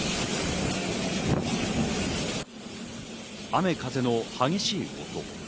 雨風の激しい音。